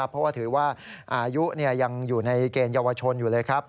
เพราะว่าถือว่าอายุยังอยู่ในเกณฑ์เยาวชนอยู่เลยครับ